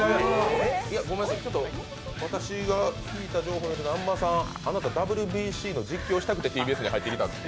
ごめんなさい、私が聞いた情報では南波さん、あなたＷＢＣの実況をしたくてＴＢＳに入ってきたって。